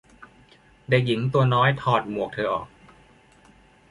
เด็กหญิงตัวน้อย ถอดหมวกเธอออก